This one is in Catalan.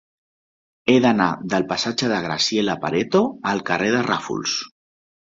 He d'anar del passatge de Graziella Pareto al carrer de Ràfols.